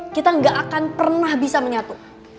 kita gak akan pernah bisa menyatu